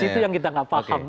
di situ yang kita nggak paham